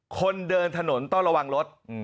คนเดินถนนต้องระวังรถ